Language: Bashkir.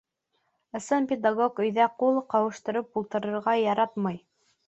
Ысын педагог өйҙә ҡул ҡаушырып ултырырға яратмай.